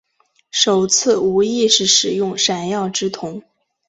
首次无意识使用闪耀之瞳。